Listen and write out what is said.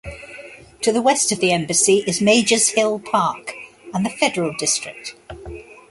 To the west of the embassy is Major's Hill Park and the Federal district.